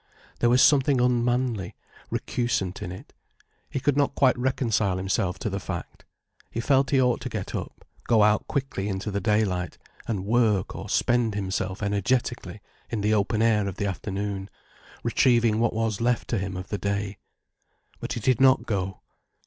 There was something unmanly, recusant in it. He could not quite reconcile himself to the fact. He felt he ought to get up, go out quickly into the daylight, and work or spend himself energetically in the open air of the afternoon, retrieving what was left to him of the day. But he did not go.